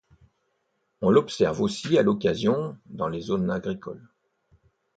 On l’observe aussi à l’occasion dans les zones agricoles.